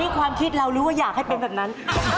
ความคิดเรารู้ว่าอยากให้เป็นแบบนั้น